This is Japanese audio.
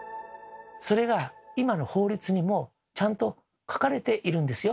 それが今の法律にもちゃんと書かれているんですよ。